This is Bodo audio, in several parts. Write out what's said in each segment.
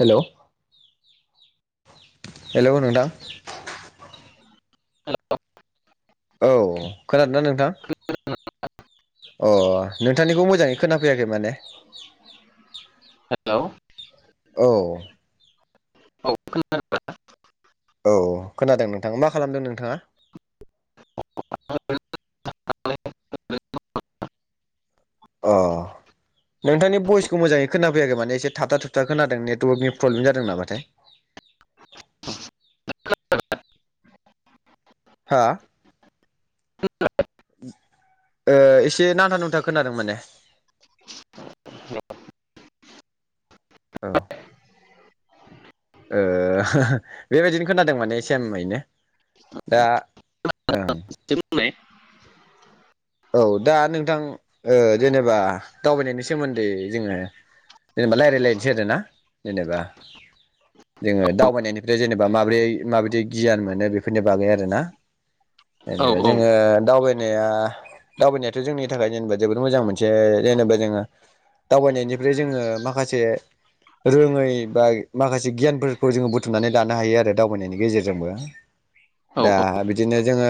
हेलौ हेलौ नोंथां हेलौ औ खोनादों ना नोंथां अ नोंथांनिखौ मोजाङै खोनाफैयाखै माने हेलौ औ औ खोनादों ना औ खोनादों नोंथाङा मा खालामदों नोंथाङा एसे अ नोंथांनि भयसखौ मोजाङै खोनाफैयाखै माने एसे थाबथाथ थाबथा खोनादों नेटवर्कनि प्रब्लेम जादों नामाथाय [inaudible] हा ए एसे नांथा नुंथा खोनादों माने [inaudible] औ ओ बेबायदिनो खोनादों माने ए सेमैनो दा ओं दे बुंनाय औ दा नोंथां ओ जेनेबा दावबायनायनि सोमोन्दै जोङो जेनेबा रायज्लायलायनोसै आरोना जेनेबा जोङो दावबायनायनिफ्राय जेनेबा माब्रै माबायदि गियान मोनो बेफोरनि बागै आरो ना औ जेनेबा औ जोङो दावबायनाया दावबायनायाथ' जोंनि थाखाय जेनेबा जोबोद मोजां मोनसे जेनेबा जोङो दावबायनायनिफ्राय जोङो माखासे रोङै बा माखासे गियानफोरखौ जोङो बुथुमनानै लानो हायो आरो दावबायनायनि गेजेरजोंबो औ दा बिदिनो जोङो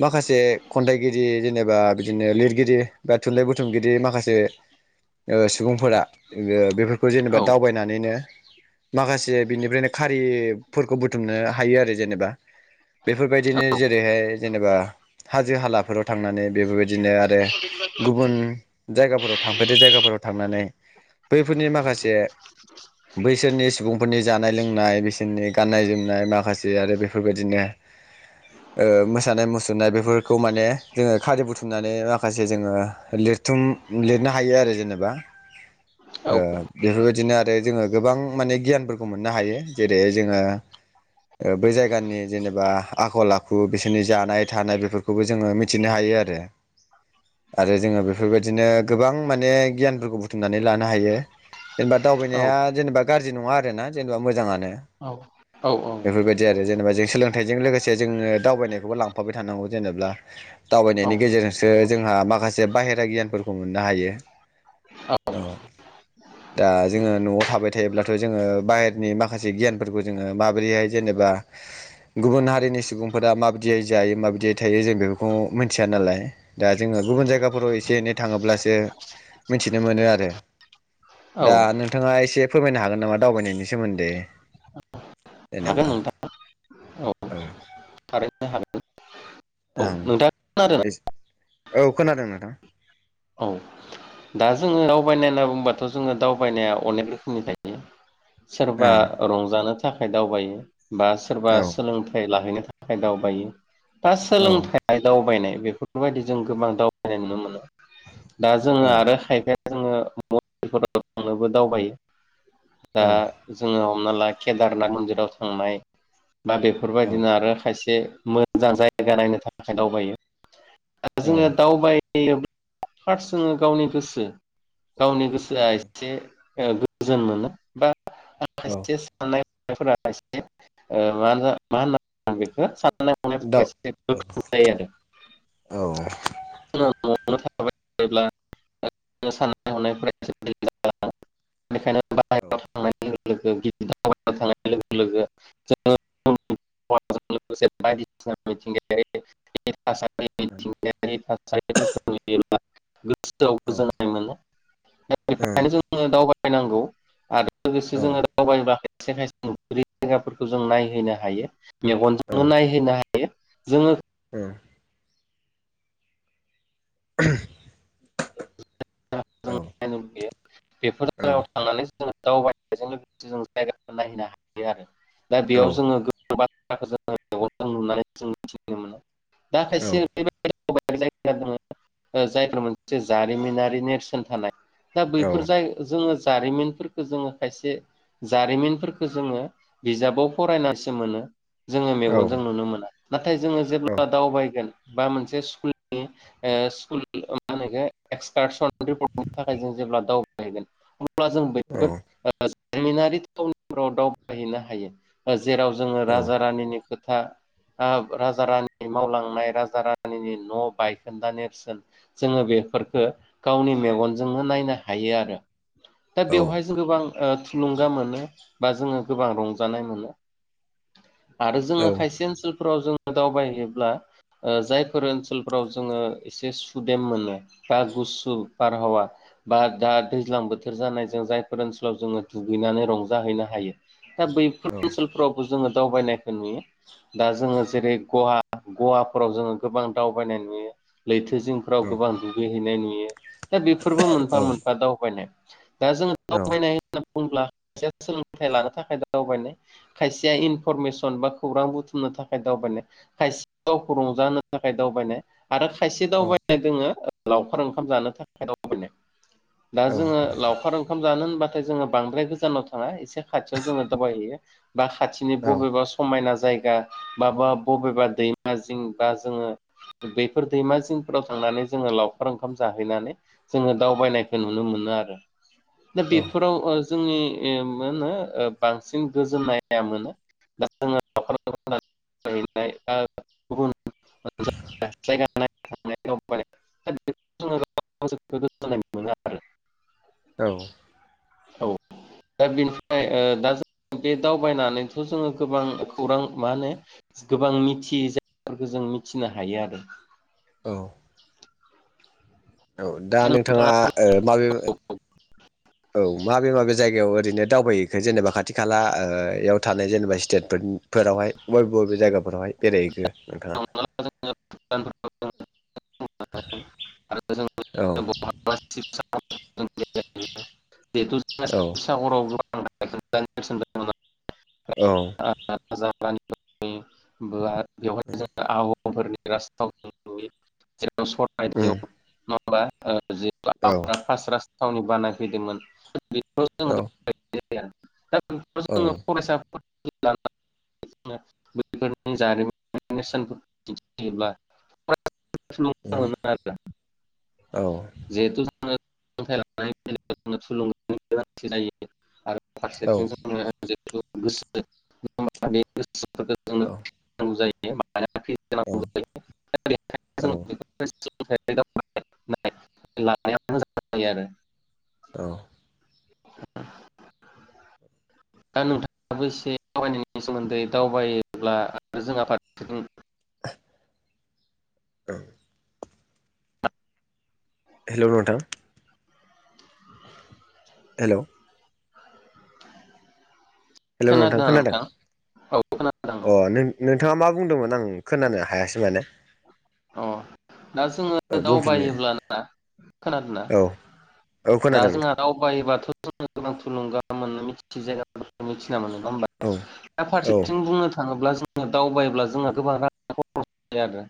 माखासे खन्थाइगिरि जेनेबा बिदिनो लिरगिरि बा थुनलाइ बुथुमगिरि माखासे ओ सुबुंफोरा ओ बेफोरखौ जेनेबा औ दावबायनानैनो माखासे बिनिफ्रायनो खारिफोरखौ बुथुमनो हायो आरो जेनेबा बेफोरबायदिनो जेरैहाय जेनेबा हाजो हालाफोराव थांनानै बेफोरबायदिनो आरो गुबुन जायगाफोराव थांफेरद जायगाफोराव थांनानै बैफोरनि माखासे बैसोरनि सुबुंफोरनि जानाय लोंनाय बिसोरनि गाननाय जोमनाय माखासे आरो बेफोरबायदिनो ओ मोसानाय मुसुरनाय बेफोरखौ माने जोङो खालि बुथुमनानै माखासे जोङो लिरथुम लिरनो हायो आरो जेनेबा औ ओ बेफोरबायदिनो आरो जोङो गोबां माने गियानफोरखौ मोननो हायो जेरै जोङो बै जायगानि जेनेबा आखल आखु बिसोरनि जानाय थानाय बेफोरखौबो जोङो मिथि मिथिनो हायो आरो आरो जोङो बेफोरबायदिनो गोबां माने गियानफोरखौ बुथुमनानै लानो हायो जेनेबा दावबायनाया जेनेबा गाज्रि नङा आरोोना जेनेबा मोजाङानो बेफोरबायदि आरो जेनब जेनेबा जों सोलोंथाइजों लोगोसे जोङो दावबायनायखौबो लांफाबाय थानांगौ जेनेबा औ दावबायनायनि गेजेरजोंसो जोंहा माखासे बाहेरा गियानफोरखौ मोननो हायो [inaudible] दा जोङो न'आव थाबाय थायोब्लाथ' जोङो बाहहेरनि माखासे गियानफोरखौ जोङो माबोरैहाय जेनेबा गुबुन हारिनि सुबुंफोरा माबायदियै जायो माबायदियै थायो जों बे खौ मिथिया नालाय दा जोङो गुबुन जायगाफोराव एसे एनै थाङोब्लासो मिथिनो मोनो आरो औ दा नोंथाङा एसे फोरमायनो हागोन नामा दावबायनायनि सोमोन्दै हागोन जेनेबा नोंथां औ थारैनो हागोन औ ओं नोंथाङा खोनादोंना औ खोनादों नोंथां औ दा जोङो दावबायनाय होनना बुंबाथ' जोङो दावबायनाया अनेक रोखोमनि थायो सोरबा रंजानो थाखाय दावबायो बा सोरबा ओं सोलोंथाइ लाहैनो थाखाय दावबायो बा औ सोलोंथाइ दावबायनाय बेफोरबायदि जों गोबां दावबायनाय नुनो मोनो दा जोङो औ आ बे [unintelligible] दावबायो दा जोङो हमना ला केदारनाथ मन्दिराव थांनाय बा औ बेफोरबायदिनो आरो खायसे मोजां जायगा नायनो थाखाय दावबायो औ जोङो दावबाय यो फार्स्ट जोङो गावनि गोसो गावनि गोसोआ एसे ओ गोजोन मोनो बा औ खायसे साननाय फोरा एसे ओ मा होनना बुङो बेखौ ओ सा [unintelligible] आरो दाउ औ औ [unintelligible] बेनिखायनो औ बाहेराव थांनानै लोगो गिदिर थानाय लोगो लोगो जोङो [unintelligible] [unintelligible] थासारि औ मिथिंगायारि थासारिफोरखौ नुयोब्ला गोसोआव औ गोजोननाय मोनो औ बेनो औ जोङो दावबायनांगौ आरो लोगोसे औ जोङो दावबायबा खायसे खायसे नुुफेरि जायगाफोरखौ जों नायहैनो हायो मेगनजोंनो नायहैनो हायो यो जोङो ओम ओम [unintelligible] बेफोर जायाव थांनानै दावबायनायजों लोगोसे जों जायगाफोर नायहैनो हायो आरो दा बेयाव जोङो गो [unintelligible] जों मिथिनो मोनो दा खायसे ओरैबायदि [unintelligible] जायफोर मोनसे जारिमिनारि नेरसोन थानाय दा बैफोर जाय जोङो जारिमिनफोरखौ जोङो खायसे जारिमिनफोरखौ जोङो बिजाबाव फरायनासो मोनो जोङो मेगनजों नुनो मोना नाथाय जोङो जेब्ला दावबायगोन बा मोनसे स्कुल स्कुलनि मा होनो इखो एसकारसन थाखाय जों जेब्ला दावबायहैगोन अब्ला जों औ बैफोर जारिमिनारि थावनिफोराव दावबायहैनो हायो ओ जेराव जोङो औ राजा रानिनि खोथा राजा रानिनि मावलांनाय राजा रानिनि न' बायखोन्दा नेरसोन जोङो बेफोरखौ गावनि मेगनजोंनो नायनो हायो आरो दा औ बेवहाय जों गोबां ओ थुलुंगा मोनो बा जोङो गोबां रंजानाय मोनो आरो जोङो खायसे ओनसोलफोराव जों दावबायोब्ला जायफोर ओ ओनसोलफोराव जोङो एसे सुदेम मोनो बा गुसु गु बारहावा बा दा दैज्लां बोथोर जानाय जों जायफोर ओनसोलाव जोङो दुगैनानै रंजाहैनो हायो दा बैफोर औ ओनसोलफोरावबो जोङो दावबायनायखौ नुयो दा जोङो जेरै गवा गवाफोराव जोङो गोबां दावबायनाय नुयो लैथो जिंफ्राव गोबां दुगैहैनाय नुयो दा बेफोरबो मोनफा मोनफा दावबायनाय दा जोङो दावबायनाय होनना बुङोब्ला खायसेया सोलोंथाइ लानो थाखाय दावबायनाय खायसेया इनफरमेसन बा खौरां बुथुमनो थाखाय दावबायनाय खायसे गावखौ रंजा होनो थाखाय दावबायनाय आरो खायसे औ दावबायनाय दोङो लावखार ओंखाम जानो थाखाय दावबायनाय दा जोङो लावखार ओंखाम जानो होनबा जोङो बांद्राय गोजानाव थाङा इसे खाथिआव दावबायहैयो बा खाथिनि औ बबेबा समाइना जायगा माबा बबेबा दैमा जिं बा जोङो बेफोर दैमा जिंफोराव थांनानै जोङो लावखार ओंखाम जाहैनानै जोङो दावबायनायखौ नुनो मोनो आरो दा बेफोराव जोंनि मोनो बांसिन गोजोननाया मोनो दा जोङो [unintelligible] गुबुन [unintelligible] [unintelligible] आरो औ औ दा बेनिफ्राय ओ दा बे दावबायनानैथ' जोङो गोबां खौरां मा होनो गोबां मिथियै ज फोरखो जों मिथिनो हायो आरो औ औ दा नोंथाङा ओ माबे औ माबे माबे जायगायाव ओरैनो दावबायहैखो जेनेबा खाथि खालायाव ओ थानाय जेनेबा स्टेट फोरावहाय बब बबे जायगाफोरावहाय बेरायहैखो नोंथाङा अ आरो जों औ औ [unintelligible] [unintelligible] औ [unintelligible] आहमफोरनि राजथावनि नुयो जेराव ओम [unintelligible] पास राज थावनि बानायफैदोंमोन [unintelligible] औ औ उम बेफोरनि जारिमिन नेरसोनफोरखौ दिन्थियोब्ला औ [unintelligible] औ जिहेतु जोङो औ [unintelligible] [unintelligible] औ औ [unintelligible] [unintelligible] औ दा नोंथाङाबो एसे दावबायनायनि सोमोन्दै दावबायोब्ला आरो जों आफाद [inaudible] औ हेल' नोंथां हेल' हेल' नोंथां खोनादों औ खोनादों अ नोंथाङा मा बुंदोंमोन आं खोनानो हायासै माने अ दा जोङो औ बुंफिननो दावबायोल्बा ना खोनादोंना औ औ दा खोनादों नोंथां जोंहा दावबायोबाथ' जों गोबां थुलुंगा [unintelligible] नङा होनबा औ दा औ फारसेथिं बुंनो थाङोब्ला जोङो दावबायोब्ला जोंहा गोबां रां खरसा जायो आरो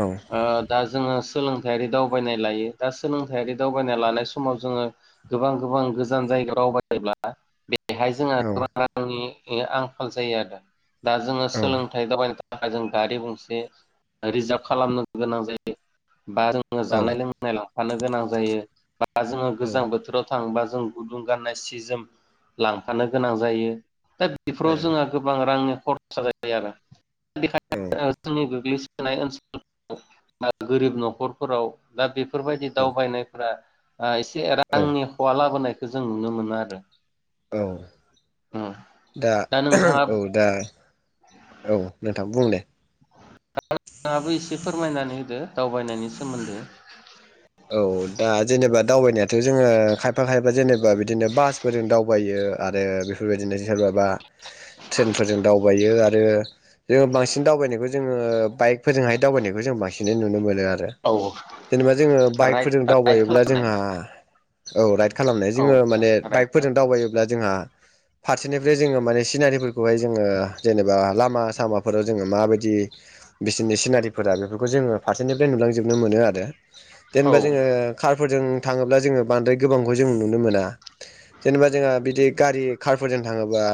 औ ओ दा जोङो सोलोंथारि दावबायनाय लायो दा सोलोंथारि दावबायनाय लानाय समाव जोङो गोबां गोबां गोजान जा [unintelligible] बेहाय जोंहा औ गोबां रांनि आंखाल जायो आरो दा जोङो सोलोंथाइ दावबायनो थाखाय जों गारि गंसे रिजार्भ खालामनो गोनां जायो बा जोङो औ जानाय लोंनाय लांफानो गोनां जायो बा जोङो गोजां बोथोराव थांबा जों गुदुं गाननाय सि जोम लांफानो गोनां जायो दा बेफोराव जोंहा गोबां रांनि खरसा जायो आरो बेखायनो जोंनि गोग्लै [unintelligible] गोरिब न'खरफोराव दा बेफोर बायदि औ दावबायनायफोरा ओ एसे औ रांनि हवा लाबोनायखौ जों नुनो मोनो आरो औ उम दा औ दा औ नोंथां बुं दे नोंथाङा बो एसे फोरमायनानै होदो दावबायनायनि सोमोन्दै औ दा जेनेबा दावबायनायाथ' जोङो खायफा खायफा जेनेबा बिदिनो बासफोरजों दावबायो ओ आरो बेफोर बायदिनो सोरबा बा ट्रेनफोरजों दावबायो आरो जोङो बांसिन दावबायनायखौ जोङो बाइक फोरजोंहाय दावबायनायखौ जों बांसिन नुनो मोनो आरो औ जेनेबा जोङो राइड बाइकफोरजों राइड दावबायोब्ला खालामनाय जोंहा औ राइड खालामनाय औ जोङो माने राइड बाइकफोरजों दावबायोब्ला जोंहा फारसेनिफ्राय जोङो माने सिनारिफोरखौहाय जोङो जेनेबा लामा सामाफोराव जोङो मा बायदि बिदि बिसोरनि सिनारिफोरा बेफोरखौ जोङो फारसेनिफ्राय नुलांजोबनो मोनो आरो औ जेनेबा जोङो कारफोरजों थाङोब्ला जोङो बांद्राय गोबांखौ जों नुनो मोना जेनेबा जोंहा बिदि गारि कारफोरजों थाङोबा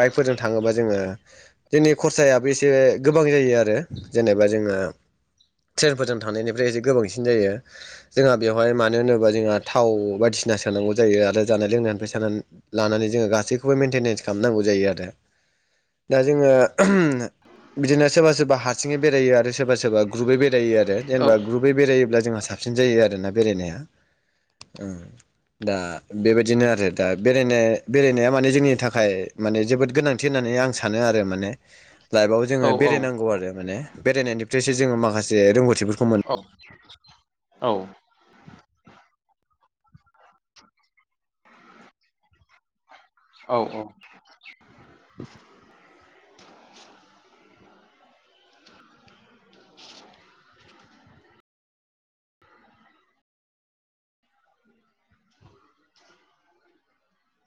बाइकफोरजों थाङोबा जोङो जोंनि खरसायाबो एसे गोबां जायो आरो जेनेबा जों ओ ट्रेनफोरजों थानायनिफ्राय एसे गोबांसिन जायो जोंहा बेवहाय मानो होनोबा जोंहा थाव बायदिसिना सोनांगौ जायो आरो जानाय लोंनायनिफ्राय सानानै लानानै जों जोङो गासैखौबो मेनटेनेन्स खालामनांगौ जायो आरो दा जोङो उम बिदिनो सोरबा सोरबा हारसिङै बेरायो आरो सोरबा सोरबा ग्रुपै बेरायो आरो औ जेनेबा ग्रुपै बेरायोब्ला जोंहा साबसिन जायो आरोना बेरायनाया उम दा बे बायदिनो आरो दा बेरायनो बेरायनाया माने जोंनि थाखाय माने जोबोद गोनांथि होननानै माने आं सानो आरो माने लाइफआव जोङो औ बेरायनांगौ आरो माने बेरायनायनिफ्रायसो जोङो माखासे रोंगौथिफोरखौ मोनो औ औ औ औ